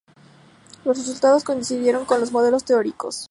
Los resultados coincidieron con los modelos teóricos.